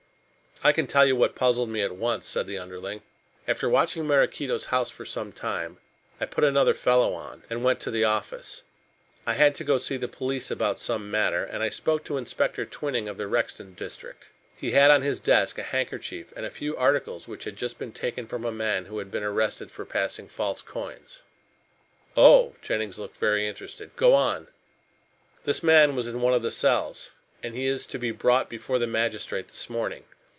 "I can tell you what puzzled me at once," said the underling, "after watching Maraquito's house for some time, I put another fellow on, and went to the office. I had to go to see the police about some matter, and I spoke to Inspector Twining of the Rexton district. He had on his desk a handkerchief and a few articles which had just been taken from a man who had been arrested for passing false coins." "Oh!" Jennings looked very interested, "go on." "This man was in one of the cells, and he is to be brought before the magistrate this morning.